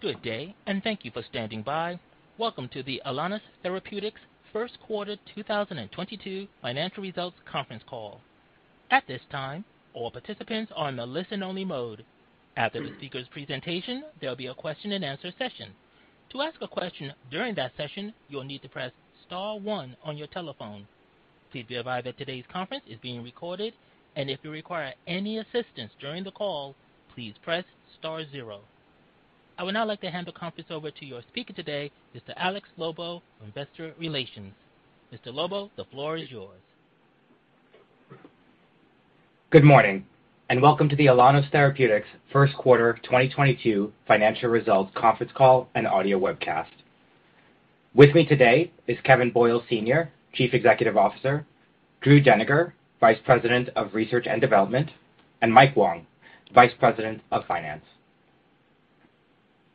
Good day, thank you for standing by. Welcome to the Alaunos Therapeutics first quarter 2022 financial results conference call. At this time, all participants are in a listen-only mode. After the speaker's presentation, there'll be a question and answer session. To ask a question during that session, you'll need to press star one on your telephone. Please be advised that today's conference is being recorded, and if you require any assistance during the call, please press star zero. I would now like to hand the conference over to your speaker today, Mr. Alex Lobo, Investor Relations. Mr. Lobo, the floor is yours. Good morning and welcome to the Alaunos Therapeutics first quarter 2022 financial results conference call and audio webcast. With me today is Kevin Boyle, Chief Executive Officer, Drew Deniger, Vice President of Research and Development, and Mike Wong, Vice President of Finance.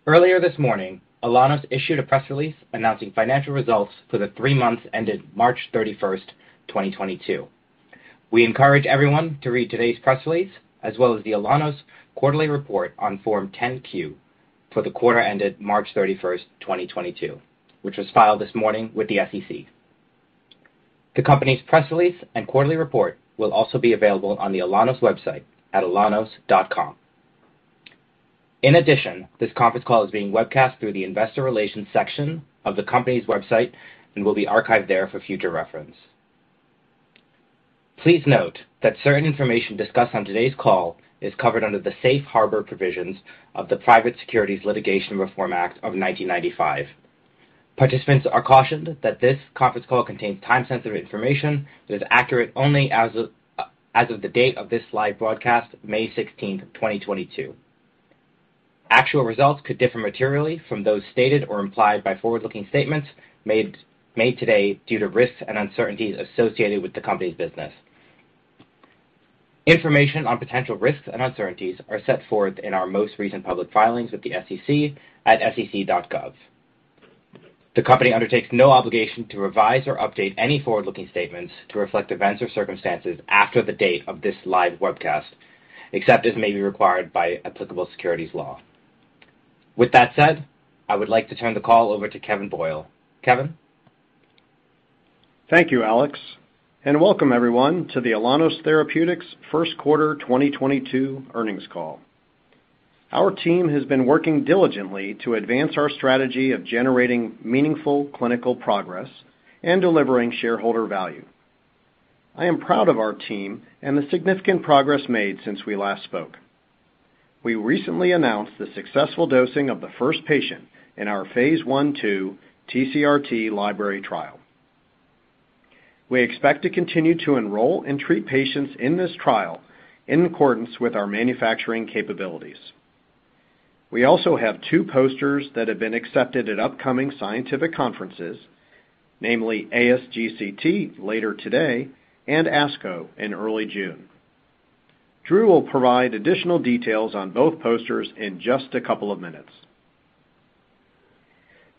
Earlier this morning, Alaunos issued a press release announcing financial results for the three months ended March 31st, 2022. We encourage everyone to read today's press release as well as the Alaunos quarterly report on Form 10-Q for the quarter ended March 31st, 2022, which was filed this morning with the SEC. The company's press release and quarterly report will also be available on the Alaunos website at alaunos.com. In addition, this conference call is being webcast through the investor relations section of the company's website and will be archived there for future reference. Please note that certain information discussed on today's call is covered under the safe harbor provisions of the Private Securities Litigation Reform Act of 1995. Participants are cautioned that this conference call contains time-sensitive information that is accurate only as of the date of this live broadcast, May 16, 2022. Actual results could differ materially from those stated or implied by forward-looking statements made today due to risks and uncertainties associated with the company's business. Information on potential risks and uncertainties are set forth in our most recent public filings with the SEC at sec.gov. The company undertakes no obligation to revise or update any forward-looking statements to reflect events or circumstances after the date of this live webcast, except as may be required by applicable securities law. With that said, I would like to turn the call over to Kevin Boyle. Kevin? Thank you, Alex, and welcome everyone to the Alaunos Therapeutics first quarter 2022 earnings call. Our team has been working diligently to advance our strategy of generating meaningful clinical progress and delivering shareholder value. I am proud of our team and the significant progress made since we last spoke. We recently announced the successful dosing of the first patient in our phase I/IITCRT library trial. We expect to continue to enroll and treat patients in this trial in accordance with our manufacturing capabilities. We also have two posters that have been accepted at upcoming scientific conferences, namely ASGCT later today and ASCO in early June. Drew will provide additional details on both posters in just a couple of minutes.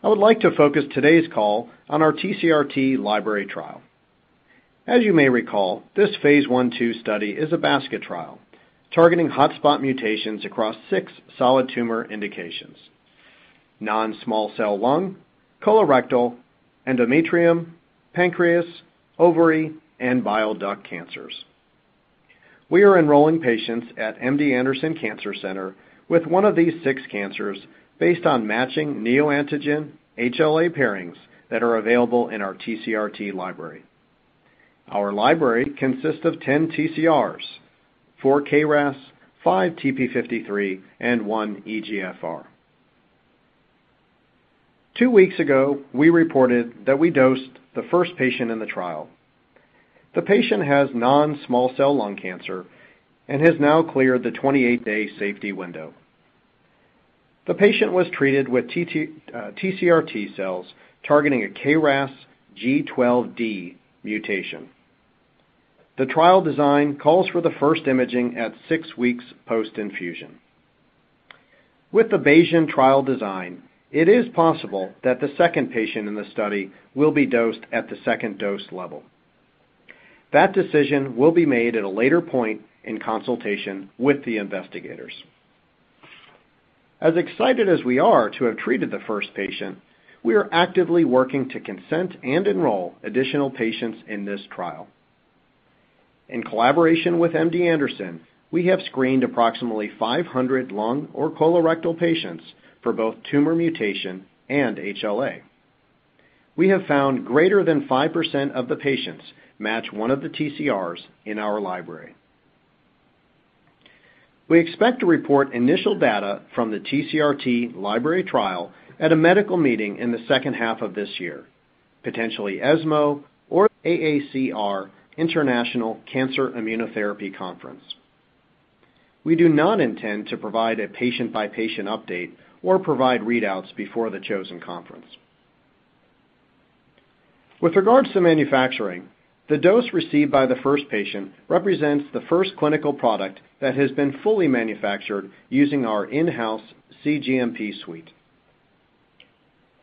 I would like to focus today's call on our TCRT library trial. As you may recall, this phase I/II study is a basket trial targeting hotspot mutations across six solid tumor indications, non-small cell lung, colorectal, endometrium, pancreas, ovary, and bile duct cancers. We are enrolling patients at MD Anderson Cancer Center with one of these six cancers based on matching neoantigen HLA pairings that are available in our TCRT library. Our library consists of 10 TCRs, four KRAS, five TP53, and one EGFR. Two weeks ago, we reported that we dosed the first patient in the trial. The patient has non-small cell lung cancer and has now cleared the 28-day safety window. The patient was treated with TCRT cells targeting a KRAS G12D mutation. The trial design calls for the first imaging at six weeks post-infusion. With the Bayesian trial design, it is possible that the second patient in the study will be dosed at the second dose level. That decision will be made at a later point in consultation with the investigators. As excited as we are to have treated the first patient, we are actively working to consent and enroll additional patients in this trial. In collaboration with MD Anderson, we have screened approximately 500 lung or colorectal patients for both tumor mutation and HLA. We have found greater than 5% of the patients match one of the TCRs in our library. We expect to report initial data from the TCRT library trial at a medical meeting in the second half of this year, potentially ESMO or CRI-ENCI-AACR International Cancer Immunotherapy Conference. We do not intend to provide a patient-by-patient update or provide readouts before the chosen conference. With regards to manufacturing, the dose received by the first patient represents the first clinical product that has been fully manufactured using our in-house cGMP suite.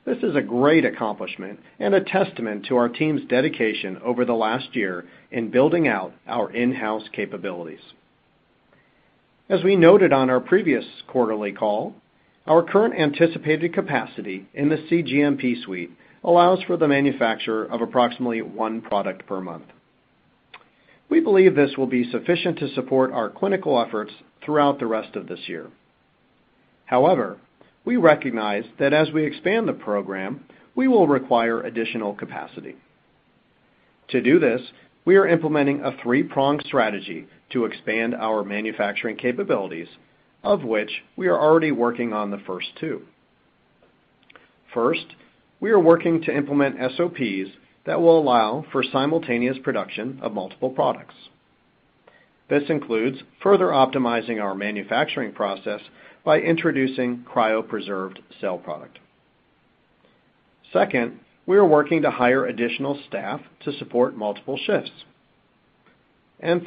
This is a great accomplishment and a testament to our team's dedication over the last year in building out our in-house capabilities. As we noted on our previous quarterly call, our current anticipated capacity in the cGMP suite allows for the manufacture of approximately one product per month. We believe this will be sufficient to support our clinical efforts throughout the rest of this year. However, we recognize that as we expand the program, we will require additional capacity. To do this, we are implementing a three-pronged strategy to expand our manufacturing capabilities, of which we are already working on the first two. First, we are working to implement SOPs that will allow for simultaneous production of multiple products. This includes further optimizing our manufacturing process by introducing cryopreserved cell product. Second, we are working to hire additional staff to support multiple shifts.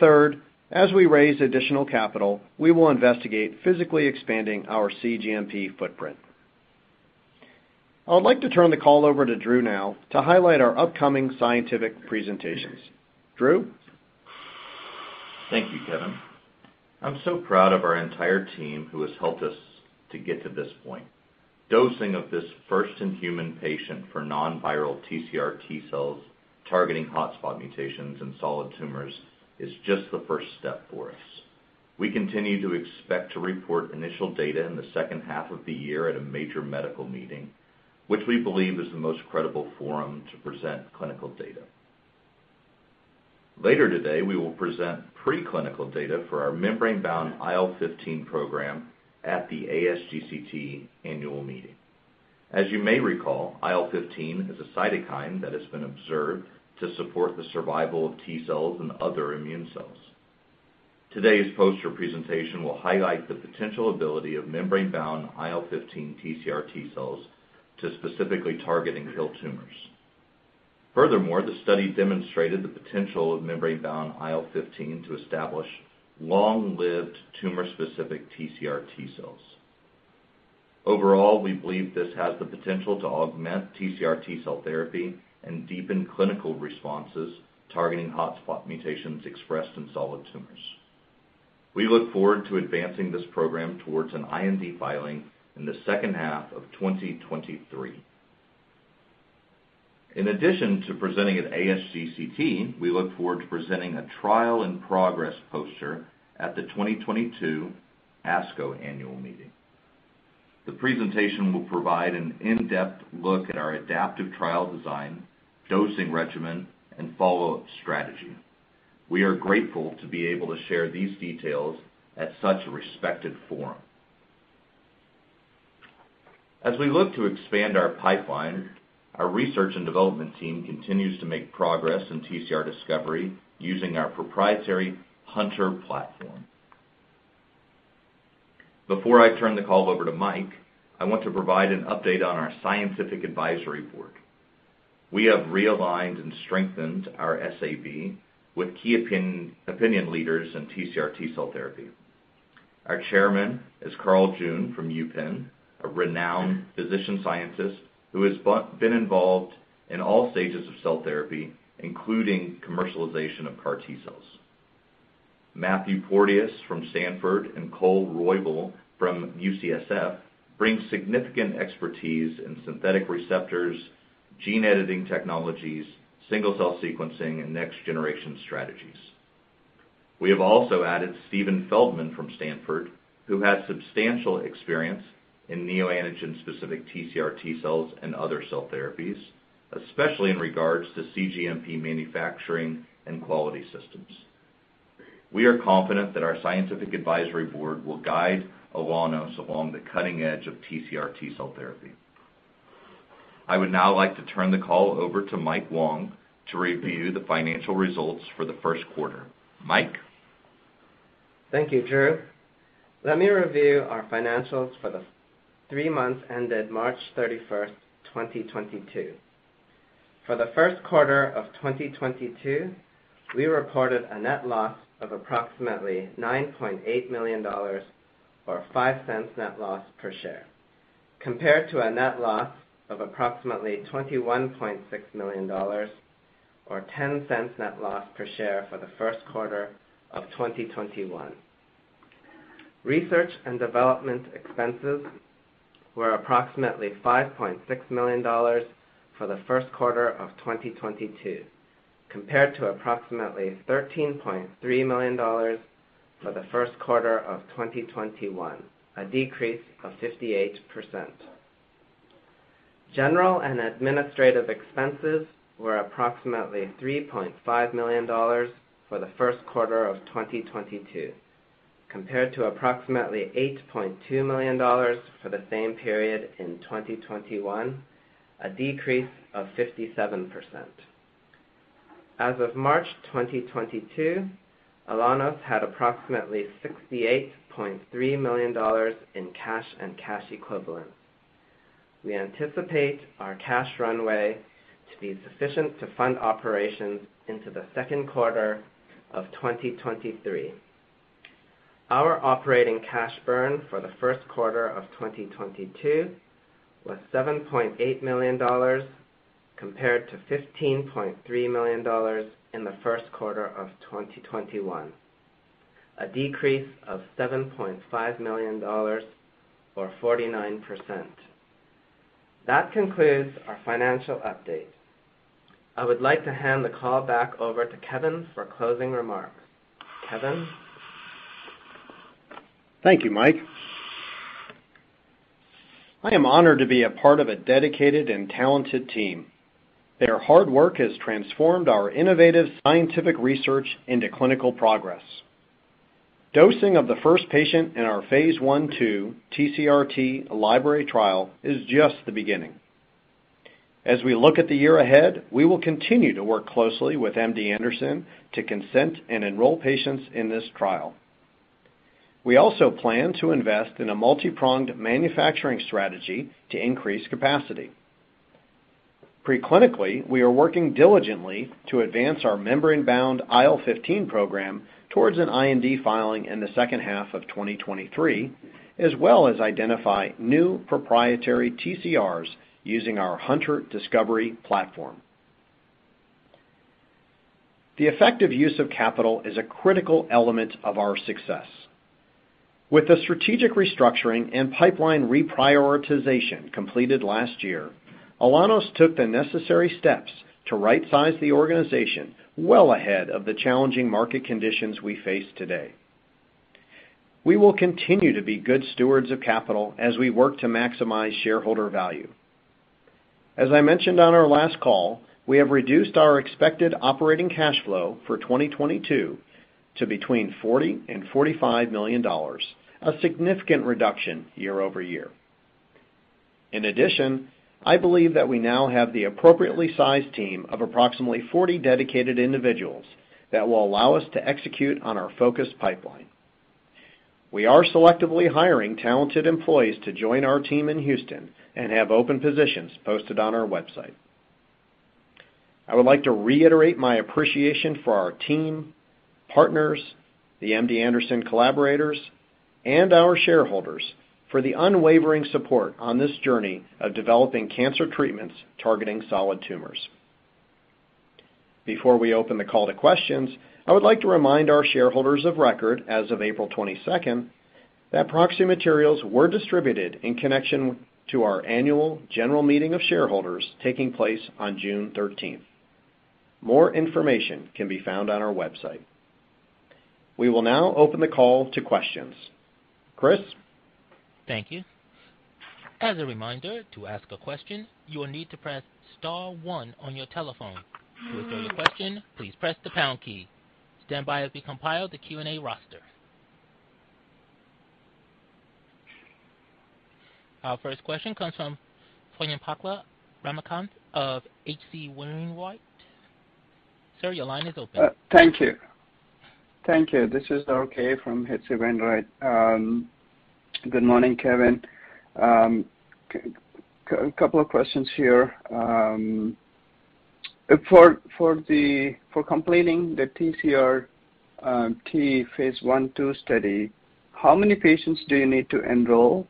Third, as we raise additional capital, we will investigate physically expanding our cGMP footprint. I would like to turn the call over to Drew now to highlight our upcoming scientific presentations. Drew? Thank you, Kevin. I'm so proud of our entire team who has helped us to get to this point. Dosing of this first human patient for non-viral TCR T-cells targeting hotspot mutations in solid tumors is just the first step for us. We continue to expect to report initial data in the second half of the year at a major medical meeting, which we believe is the most credible forum to present clinical data. Later today, we will present preclinical data for our membrane-bound IL-15 program at the ASGCT annual meeting. As you may recall, IL-15 is a cytokine that has been observed to support the survival of T-cells and other immune cells. Today's poster presentation will highlight the potential ability of membrane-bound IL-15 TCR T-cells to specifically target and kill tumors. Furthermore, the study demonstrated the potential of membrane-bound IL-15 to establish long-lived tumor-specific TCR T-cells. Overall, we believe this has the potential to augment TCR T-cell therapy and deepen clinical responses targeting hotspot mutations expressed in solid tumors. We look forward to advancing this program towards an IND filing in the second half of 2023. In addition to presenting at ASGCT, we look forward to presenting a trial-in-progress poster at the 2022 ASCO annual meeting. The presentation will provide an in-depth look at our adaptive trial design, dosing regimen, and follow-up strategy. We are grateful to be able to share these details at such a respected forum. As we look to expand our pipeline, our research and development team continues to make progress in TCR discovery using our proprietary hunTR platform. Before I turn the call over to Mike, I want to provide an update on our scientific advisory board. We have realigned and strengthened our SAB with key opinion leaders in TCR T-cell therapy. Our chairman is Carl June from UPenn, a renowned physician scientist who has been involved in all stages of cell therapy, including commercialization of CAR T-cells. Matthew Porteus from Stanford and Kole Roybal from UCSF bring significant expertise in synthetic receptors, gene editing technologies, single-cell sequencing, and next generation strategies. We have also added Steven Feldman from Stanford, who has substantial experience in neoantigen-specific TCR T-cells and other cell therapies, especially in regards to cGMP manufacturing and quality systems. We are confident that our scientific advisory board will guide Alaunos along the cutting edge of TCR T-cell therapy. I would now like to turn the call over to Mike Wong to review the financial results for the first quarter. Mike? Thank you, Drew. Let me review our financials for the three months ended March 31st, 2022. For the first quarter of 2022, we reported a net loss of approximately $9.8 million or $0.05 net loss per share, compared to a net loss of approximately $21.6 million or $0.10 net loss per share for the first quarter of 2021. Research and development expenses were approximately $5.6 million for the first quarter of 2022, compared to approximately $13.3 million for the first quarter of 2021, a decrease of 58%. General and administrative expenses were approximately $3.5 million for the first quarter of 2022, compared to approximately $8.2 million for the same period in 2021, a decrease of 57%. As of March 2022, Alaunos had approximately $68.3 million in cash and cash equivalents. We anticipate our cash runway to be sufficient to fund operations into the second quarter of 2023. Our operating cash burn for the first quarter of 2022 was $7.8 million compared to $15.3 million in the first quarter of 2021, a decrease of $7.5 million or 49%. That concludes our financial update. I would like to hand the call back over to Kevin for closing remarks. Kevin? Thank you, Mike. I am honored to be a part of a dedicated and talented team. Their hard work has transformed our innovative scientific research into clinical progress. Dosing of the first patient in our phase I/II TCRT library trial is just the beginning. As we look at the year ahead, we will continue to work closely with MD Anderson to consent and enroll patients in this trial. We also plan to invest in a multi-pronged manufacturing strategy to increase capacity. Pre-clinically, we are working diligently to advance our membrane-bound IL-15 program towards an IND filing in the second half of 2023, as well as identify new proprietary TCRs using our hunTR discovery platform. The effective use of capital is a critical element of our success. With the strategic restructuring and pipeline reprioritization completed last year, Alaunos took the necessary steps to right-size the organization well ahead of the challenging market conditions we face today. We will continue to be good stewards of capital as we work to maximize shareholder value. As I mentioned on our last call, we have reduced our expected operating cash flow for 2022 to between $40 million and $45 million, a significant reduction year-over-year. In addition, I believe that we now have the appropriately sized team of approximately 40 dedicated individuals that will allow us to execute on our focused pipeline. We are selectively hiring talented employees to join our team in Houston and have open positions posted on our website. I would like to reiterate my appreciation for our team, partners, the MD Anderson collaborators, and our shareholders for the unwavering support on this journey of developing cancer treatments targeting solid tumors. Before we open the call to questions, I would like to remind our shareholders of record as of April 22nd that proxy materials were distributed in connection to our annual general meeting of shareholders taking place on June 13th. More information can be found on our website. We will now open the call to questions. Chris? Thank you. As a reminder, to ask a question, you will need to press star one on your telephone. To withdraw your question, please press the pound key. Stand by as we compile the Q and A roster. Our first question comes from Swayampakula Ramakanth of H.C. Wainwright. Sir, your line is open. Thank you. This is RK from H.C. Wainwright. Good morning, Kevin. A couple of questions here. For completing the TCR T phase I/II study, how many patients do you need to enroll?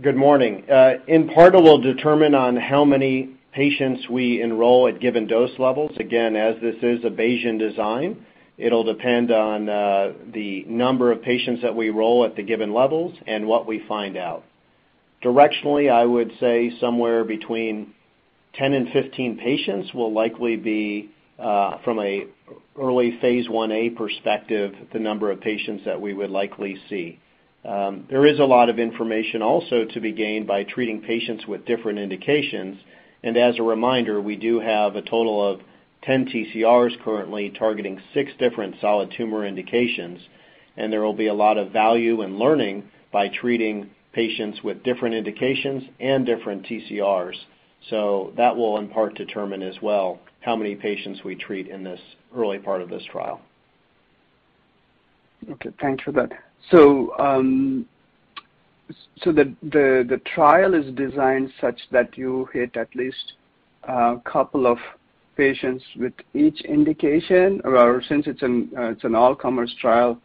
Good morning. In part, it will determine on how many patients we enroll at given dose levels. Again, as this is a Bayesian design, it'll depend on, the number of patients that we enroll at the given levels and what we find out. Directionally, I would say somewhere between 10 and 15 patients will likely be, from an early phase I-A perspective, the number of patients that we would likely see. There is a lot of information also to be gained by treating patients with different indications. As a reminder, we do have a total of 10 TCRs currently targeting six different solid tumor indications, and there will be a lot of value in learning by treating patients with different indications and different TCRs. That will in part determine as well how many patients we treat in this early part of this trial. Okay, thanks for that. The trial is designed such that you hit at least a couple of patients with each indication, or since it's an all-comers trial,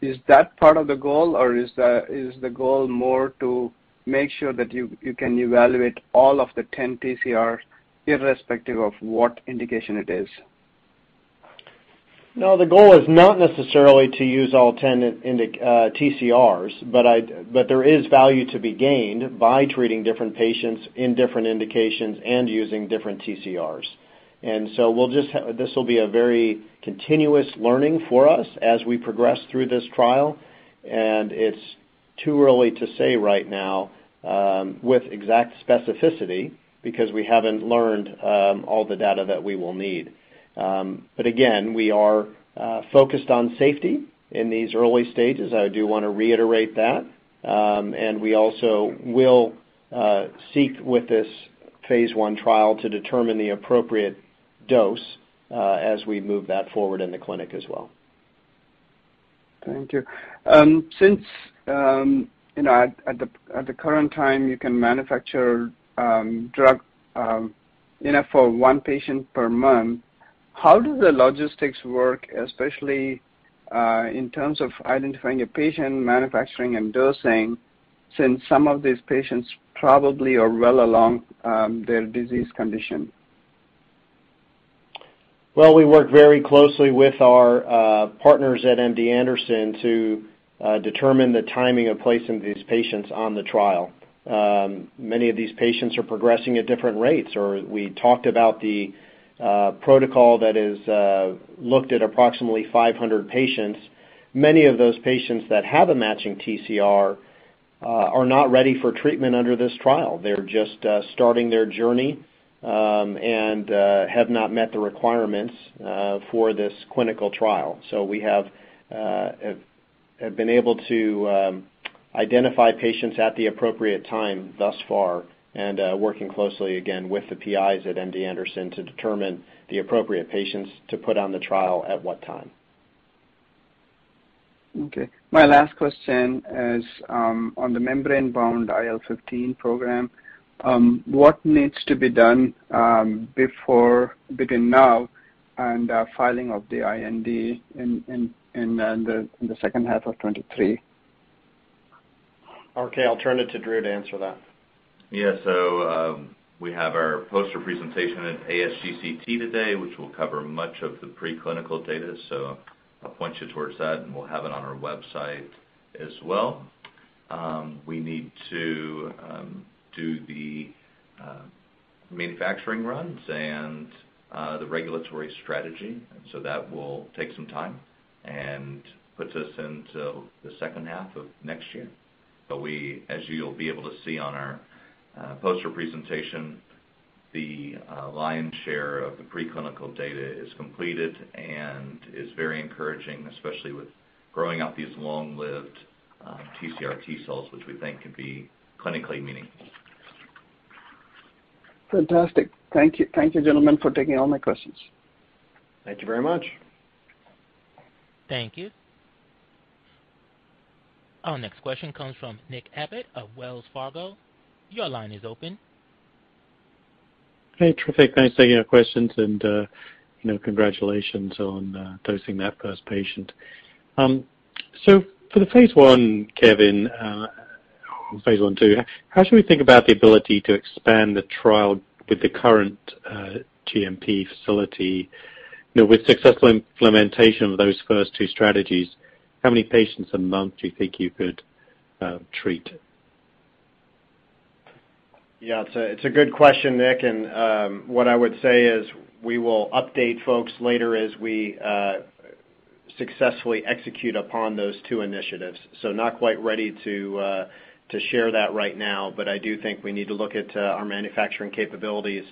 is that part of the goal, or is the goal more to make sure that you can evaluate all of the 10 TCR irrespective of what indication it is? No, the goal is not necessarily to use all 10 TCRs, but there is value to be gained by treating different patients in different indications and using different TCRs. We'll just have. This will be a very continuous learning for us as we progress through this trial. It's too early to say right now with exact specificity because we haven't learned all the data that we will need. Again, we are focused on safety in these early stages. I do wanna reiterate that. We also will seek with this phase I trial to determine the appropriate dose as we move that forward in the clinic as well. Thank you. Since you know at the current time you can manufacture drug enough for one patient per month, how do the logistics work, especially in terms of identifying a patient, manufacturing and dosing, since some of these patients probably are well along their disease condition? Well, we work very closely with our partners at MD Anderson to determine the timing of placing these patients on the trial. Many of these patients are progressing at different rates, or we talked about the protocol that is looked at approximately 500 patients. Many of those patients that have a matching TCR are not ready for treatment under this trial. They're just starting their journey and have not met the requirements for this clinical trial. We have been able to identify patients at the appropriate time thus far, and working closely again with the PIs at MD Anderson to determine the appropriate patients to put on the trial at what time. Okay. My last question is on the membrane-bound IL-15 program. What needs to be done between now and filing of the IND in the second half of 2023? Okay., I'll turn it to Drew to answer that. Yeah. We have our poster presentation at ASGCT today, which will cover much of the preclinical data. I'll point you towards that, and we'll have it on our website as well. We need to do the manufacturing runs and the regulatory strategy, so that will take some time and puts us into the second half of next year. As you'll be able to see on our poster presentation, the lion's share of the preclinical data is completed and is very encouraging, especially with growing out these long-lived TCR T-cells, which we think could be clinically meaningful. Fantastic. Thank you. Thank you, gentlemen, for taking all my questions. Thank you very much. Thank you. Our next question comes from Nick Abbott of Wells Fargo. Your line is open. Hey, terrific. Thanks for taking our questions, and, you know, congratulations on dosing that first patient. For the phase I, Kevin, or phase I/II, how should we think about the ability to expand the trial with the current cGMP facility? You know, with successful implementation of those first two strategies, how many patients a month do you think you could treat? Yeah, it's a good question, Nick, and what I would say is we will update folks later as we successfully execute upon those two initiatives. Not quite ready to share that right now, but I do think we need to look at our manufacturing capabilities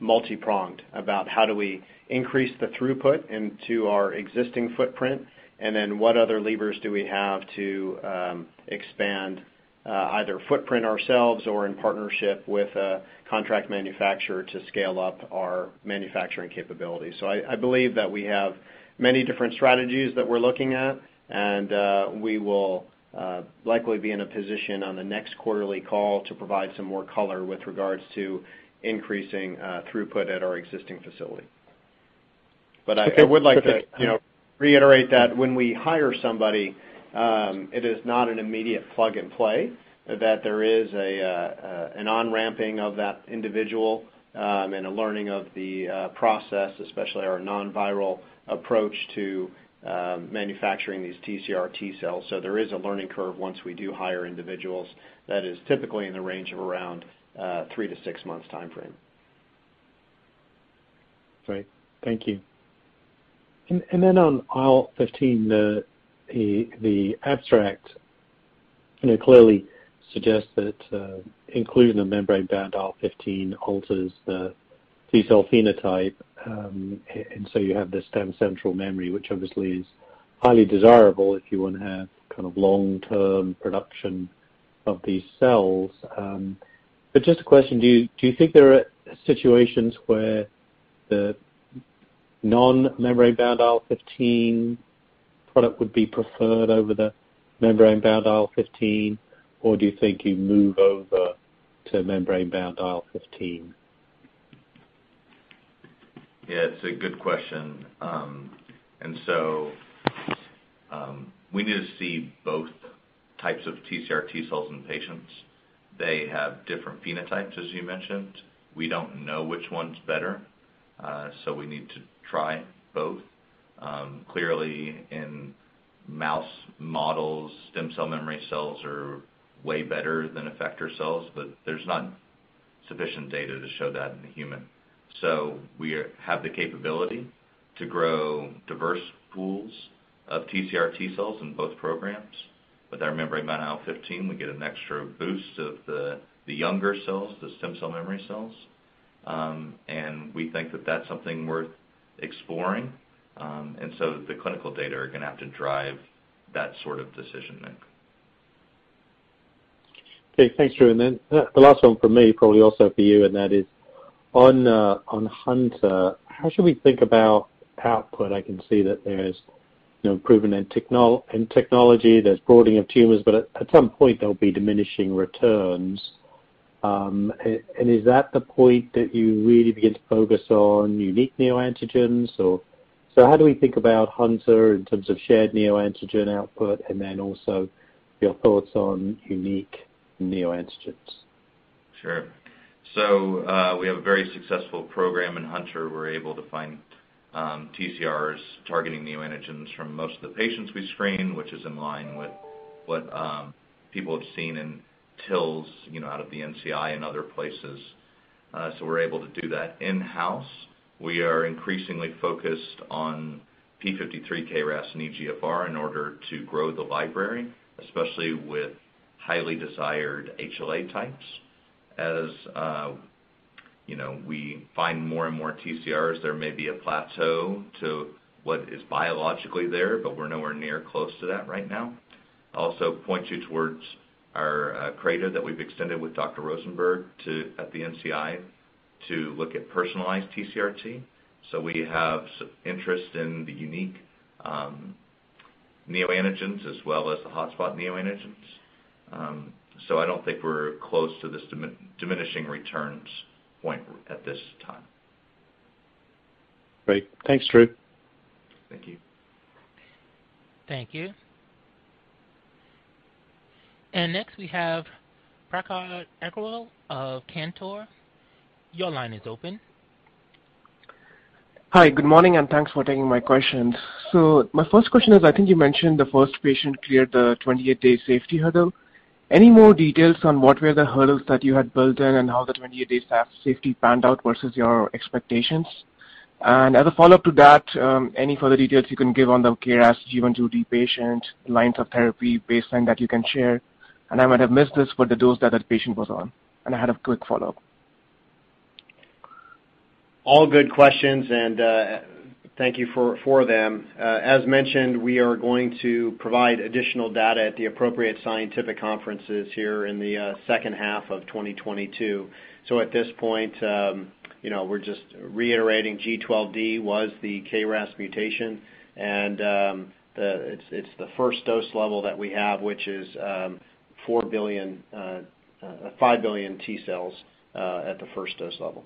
multi-pronged about how do we increase the throughput into our existing footprint, and then what other levers do we have to expand either footprint ourselves or in partnership with a contract manufacturer to scale up our manufacturing capabilities. I believe that we have many different strategies that we're looking at, and we will likely be in a position on the next quarterly call to provide some more color with regards to increasing throughput at our existing facility. Okay. I would like to, you know, reiterate that when we hire somebody, it is not an immediate plug and play, that there is an on-ramping of that individual, and a learning of the process, especially our non-viral approach to manufacturing these TCR T-cells. There is a learning curve once we do hire individuals that is typically in the range of around three to six months timeframe. Great. Thank you. Then on IL-15, the abstract, you know, clearly suggests that including the membrane-bound IL-15 alters the T-cell phenotype, and so you have this stem cell memory, which obviously is highly desirable if you wanna have kind of long-term production of these cells. Just a question, do you think there are situations where the non-membrane bound IL-15 product would be preferred over the membrane-bound IL-15, or do you think you move over to membrane-bound IL-15? Yeah, it's a good question. We need to see both types of TCR T-cells in patients. They have different phenotypes, as you mentioned. We don't know which one's better, so we need to try both. Clearly in mouse models, stem cell memory cells are way better than effector cells, but there's not sufficient data to show that in the human. We have the capability to grow diverse pools of TCR T-cells in both programs. With our membrane-bound IL-15, we get an extra boost of the younger cells, the stem cell memory cells, and we think that that's something worth exploring. The clinical data are gonna have to drive that sort of decision-making. Okay. Thanks, Drew. The last one from me, probably also for you, and that is on hunTR, how should we think about output? I can see that there's, you know, improvement in technology, there's broadening of tumors, but at some point, there'll be diminishing returns. And is that the point that you really begin to focus on unique neoantigens? Or so how do we think about hunTR in terms of shared neoantigen output, and then also your thoughts on unique neoantigens? Sure. We have a very successful program in hunTR. We're able to find TCRs targeting neoantigens from most of the patients we screen, which is in line with what people have seen in TILs, you know, out of the NCI and other places. We're able to do that in-house. We are increasingly focused on P53, KRAS and EGFR in order to grow the library, especially with highly desired HLA types. As you know, we find more and more TCRs, there may be a plateau to what is biologically there, but we're nowhere near close to that right now. Also point you towards our CRADA that we've extended with Dr. Rosenberg at the NCI to look at personalized TCR-T. We have some interest in the unique neoantigens as well as the hotspot neoantigens. I don't think we're close to this diminishing returns point at this time. Great. Thanks, Drew. Thank you. Thank you. Next, we have Prakhar Agrawal of Cantor. Your line is open. Hi, good morning, and thanks for taking my questions. My first question is, I think you mentioned the first patient cleared the 28-day safety hurdle. Any more details on what were the hurdles that you had built in and how the 28-day safety panned out versus your expectations? As a follow-up to that, any further details you can give on the KRAS G12D patient lines of therapy baseline that you can share? I might have missed this, but the dose that patient was on, and I had a quick follow-up. All good questions, and thank you for them. As mentioned, we are going to provide additional data at the appropriate scientific conferences here in the second half of 2022. At this point, you know, we're just reiterating G12D was the KRAS mutation, and it's the first dose level that we have, which is 5 billion T cells at the first dose level.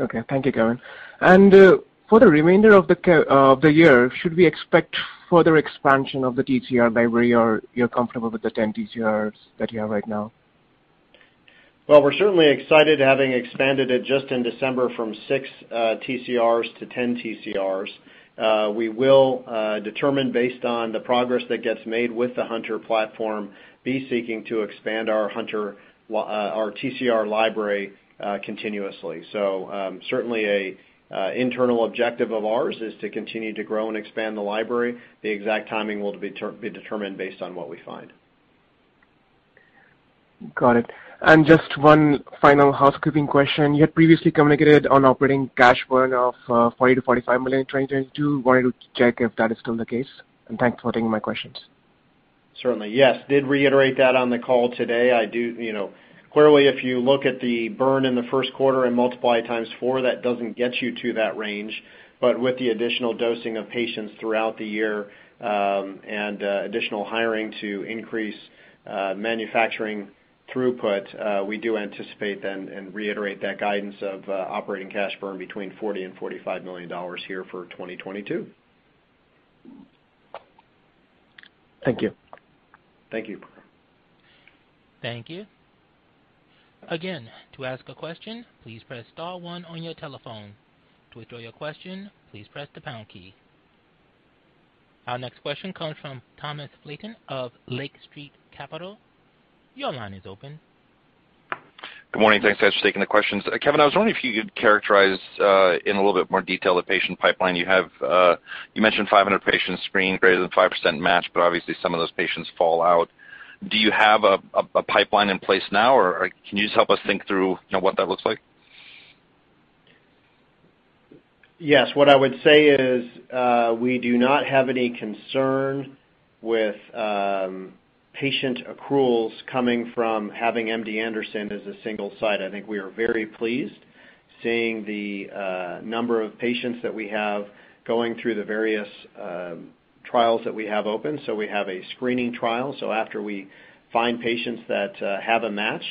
Okay. Thank you, Kevin. For the remainder of the year, should we expect further expansion of the TCR library, or you're comfortable with the 10 TCRs that you have right now? Well, we're certainly excited having expanded it just in December from six TCRs to 10 TCRs. We will determine based on the progress that gets made with the hunTR platform, be seeking to expand our hunTR our TCR library continuously. Certainly a internal objective of ours is to continue to grow and expand the library. The exact timing will be be determined based on what we find. Got it. Just one final housekeeping question. You had previously communicated on operating cash burn of $40 million-$45 million in 2022. Wanted to check if that is still the case, and thanks for taking my questions. Certainly. Yes. Did reiterate that on the call today. You know, clearly if you look at the burn in the first quarter and multiply times four, that doesn't get you to that range. With the additional dosing of patients throughout the year, and additional hiring to increase manufacturing throughput, we do anticipate then and reiterate that guidance of operating cash burn between $40 million and $45 million here for 2022. Thank you. Thank you. Thank you. Again, to ask a question, please press star one on your telephone. To withdraw your question, please press the pound key. Our next question comes from Thomas Flaten of Lake Street Capital Markets. Your line is open. Good morning. Thanks, guys, for taking the questions. Kevin, I was wondering if you could characterize in a little bit more detail the patient pipeline you have. You mentioned 500 patients screened greater than 5% match, but obviously some of those patients fall out. Do you have a pipeline in place now, or can you just help us think through, you know, what that looks like? Yes. What I would say is, we do not have any concern with, patient accruals coming from having MD Anderson as a single site. I think we are very pleased seeing the, number of patients that we have going through the various, trials that we have open. We have a screening trial. After we find patients that, have a match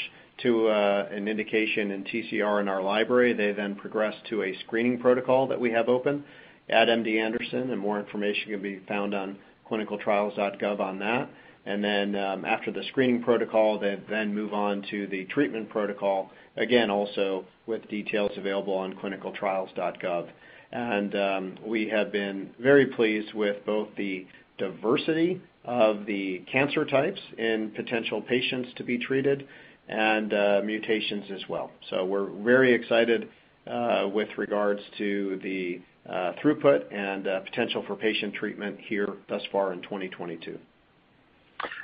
to, an indication in TCR in our library, they then progress to a screening protocol that we have open at MD Anderson, and more information can be found on ClinicalTrials.gov on that. After the screening protocol, they then move on to the treatment protocol, again, also with details available on ClinicalTrials.gov. We have been very pleased with both the diversity of the cancer types in potential patients to be treated and, mutations as well. We're very excited with regards to the throughput and potential for patient treatment here thus far in 2022.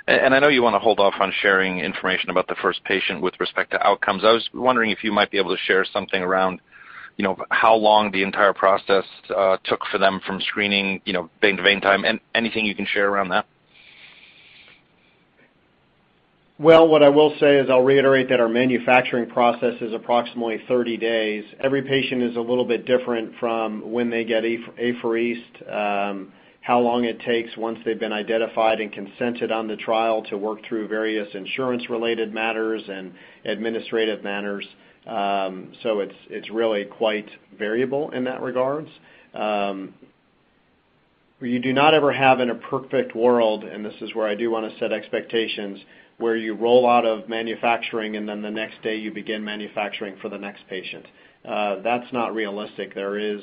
I know you wanna hold off on sharing information about the first patient with respect to outcomes. I was wondering if you might be able to share something around. You know, how long the entire process took for them from screening, you know, vein to vein time. Anything you can share around that? Well, what I will say is I'll reiterate that our manufacturing process is approximately 30 days. Every patient is a little bit different from when they get apheresed, how long it takes once they've been identified and consented on the trial to work through various insurance-related matters and administrative matters. It's really quite variable in that regard. Where you do not ever have in a perfect world, and this is where I do wanna set expectations, where you roll out of manufacturing and then the next day you begin manufacturing for the next patient. That's not realistic. There is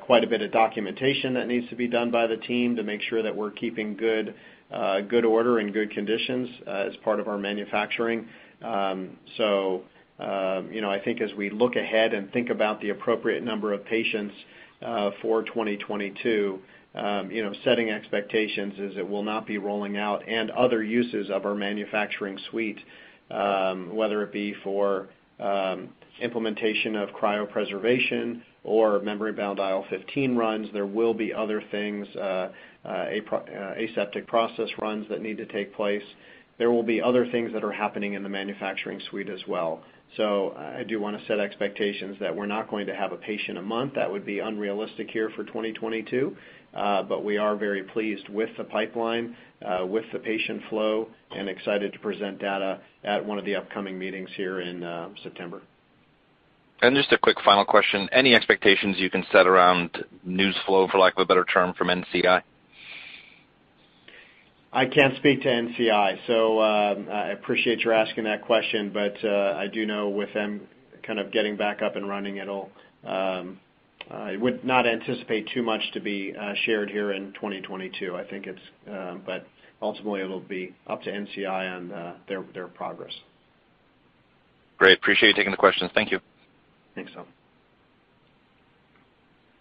quite a bit of documentation that needs to be done by the team to make sure that we're keeping good order and good conditions as part of our manufacturing. You know, I think as we look ahead and think about the appropriate number of patients for 2022, you know, setting expectations is it will not be rolling out and other uses of our manufacturing suite, whether it be for implementation of cryopreservation or mbIL-15 runs. There will be other things, aseptic process runs that need to take place. There will be other things that are happening in the manufacturing suite as well. I do wanna set expectations that we're not going to have a patient a month. That would be unrealistic here for 2022. We are very pleased with the pipeline, with the patient flow, and excited to present data at one of the upcoming meetings here in September. Just a quick final question. Any expectations you can set around news flow, for lack of a better term, from NCI? I can't speak to NCI. I appreciate your asking that question, but I do know with them kind of getting back up and running, I would not anticipate too much to be shared here in 2022. I think ultimately it'll be up to NCI on their progress. Great. Appreciate you taking the questions. Thank you. Thanks, Flaten.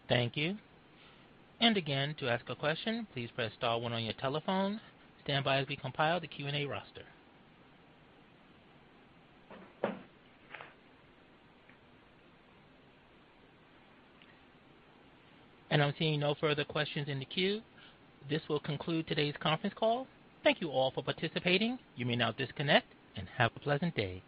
Thank you. Again, to ask a question, please press star one on your telephone. Stand by as we compile the Q and A roster. I'm seeing no further questions in the queue. This will conclude today's conference call. Thank you all for participating. You may now disconnect and have a pleasant day.